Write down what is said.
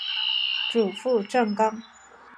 祖父郑刚。